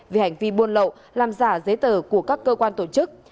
về hành vi buôn lậu làm giả giấy tờ của các cơ quan tổ chức